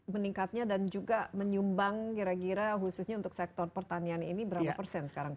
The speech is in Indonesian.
meningkatnya dan juga menyumbang kira kira khususnya untuk sektor pertanian ini berapa persen sekarang